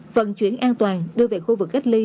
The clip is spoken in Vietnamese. vận chuyển an toàn đưa về khu vực cách ly